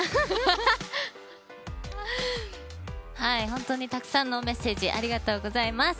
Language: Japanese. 本当にたくさんのメッセージありがとうございます。